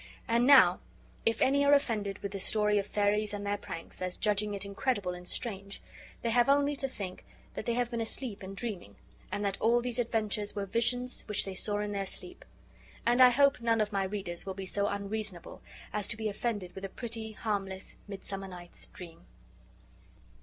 And now, if any are offended with this story of fairies and their pranks, as judging it incredible and strange, they have only to think that they have been asleep and dreaming, and that all these adventures were visions which they saw in their sleep. And I hope none of my readers will be so unreasonable as to be offended with a pretty, harmless Midsummer Night's Dream.